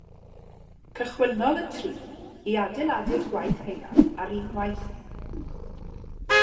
Cychwynnodd y tri i adeiladu'r gwaith haearn ar unwaith.